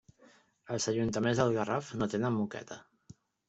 Els ajuntaments del Garraf no tenen moqueta.